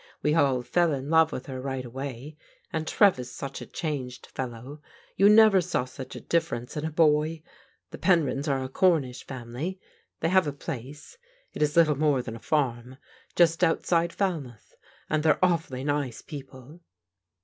We all fell in love with her right away. And Trev is such a changed fellow. You never saw such a difference in a boy. The Penryns are a Cornish family. They have a place — it is little more than a farm — ^just outside Fal mouth, and they're awfully nice people